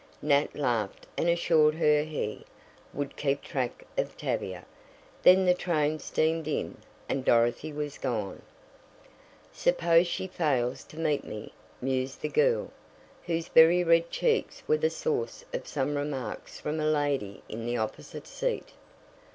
Nat laughed and assured her he "would keep track of Tavia." Then the train steamed in, and Dorothy was gone. "Suppose she fails to meet me," mused the girl, whose very red cheeks were the source of some remarks from a lady in the opposite seat.